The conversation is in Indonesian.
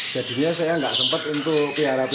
jadinya saya nggak sempat untuk piarap